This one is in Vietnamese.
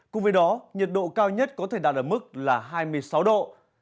cùng với đó nhiệt độ cao nhất có thể đạt ở mức là hai mươi sáu độ